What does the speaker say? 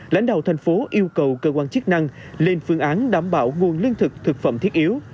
lãnh đạo thành phố yêu cầu cơ quan chức năng lên phương án đảm bảo nguồn lương thực thực phẩm thiết yếu